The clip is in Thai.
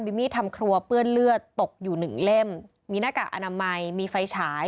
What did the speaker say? มีมีดทำครัวเปื้อนเลือดตกอยู่หนึ่งเล่มมีหน้ากากอนามัยมีไฟฉาย